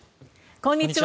こんにちは。